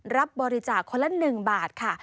รับบริจาคคนละ๑บาทค่ะ